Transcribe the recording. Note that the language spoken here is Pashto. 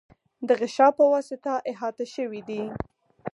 د غشا په واسطه احاطه شوی دی.